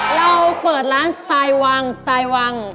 เราเปิดร้านสไตล์วังสไตล์วัง